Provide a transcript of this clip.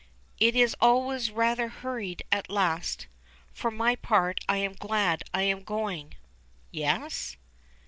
"It is always rather hurried at last. For my part I am glad I am going." "Yes?"